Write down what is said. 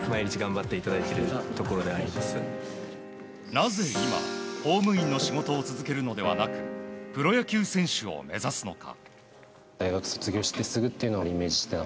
なぜ今、公務員の仕事を続けるのではなくプロ野球選手を目指すのか。